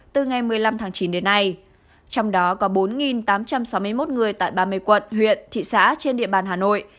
từ ngày một mươi năm tháng chín đến nay trong đó có bốn tám trăm sáu mươi một người tại ba mươi quận huyện thị xã trên địa bàn hà nội